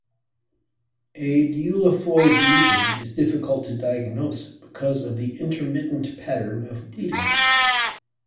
A Dieulafoy's lesion is difficult to diagnose, because of the intermittent pattern of bleeding.